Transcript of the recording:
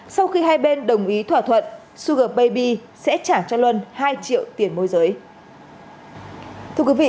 sau khi hai bên đồng ý thỏa thuận sugar baby sẽ trả cho luân hai triệu tiền môi giới